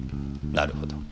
なるほど。